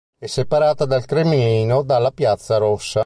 È separato dal Cremlino dalla piazza Rossa.